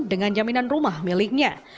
dengan jaminan rumah miliknya